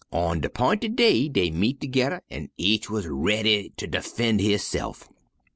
On de 'pinted day dey met toge'rr, an' each wuz raidy ter defen' hisse'f.